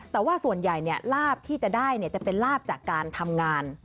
แต่ว่าส่วนใหญ่ลาบที่จะได้จะเป็นลาบจากการทำงาน